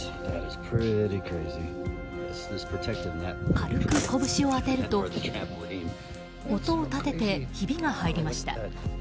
軽く拳を当てると音を立てて、ひびが入りました。